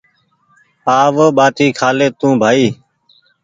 آو ٻاٽي کهالي تونٚٚ بهائي